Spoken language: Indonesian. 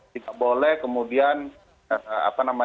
tidak boleh kemudian